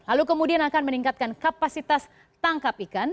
lalu kemudian akan meningkatkan kapasitas tangkap ikan